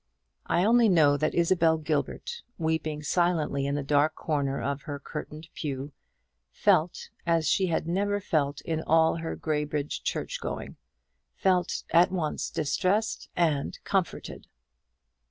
I only know that Isabel Gilbert, weeping silently in the dark corner of the curtained pew, felt as she had never felt in all her Graybridge church going; felt at once distressed and comforted.